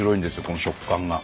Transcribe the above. この食感が。